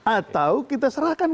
atau kita serahkan